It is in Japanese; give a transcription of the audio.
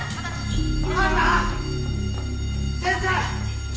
先生！